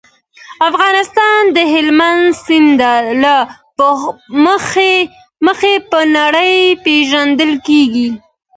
افغانستان د هلمند سیند له مخې په نړۍ پېژندل کېږي.